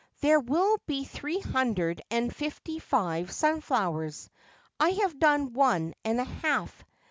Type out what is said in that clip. There will be three hundred and fifty five sunflowers. I have done one and a half.